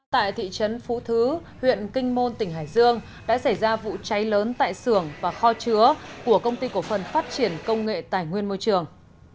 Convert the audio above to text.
tại thị trấn phú thứ huyện kinh môn tỉnh hải dương đã xảy ra vụ cháy lớn tại xưởng và kho chứa của công ty cổ phần phát triển công nghệ tài nguyên môi trường